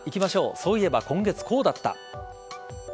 そういえば今月こうだった。